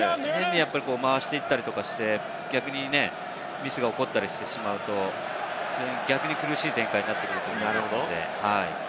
回していったりとかして、逆にミスが起きたりしてしまうと逆に苦しい展開になってくると思いますので。